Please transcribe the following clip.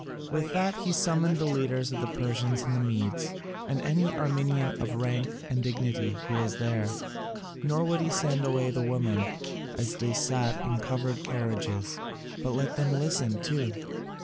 With that he summoned the leaders of the Persians and the Medes, and any Armenian of rank and dignity who was there, nor would he send away the women as they sat in covered carriages, but let them listen too.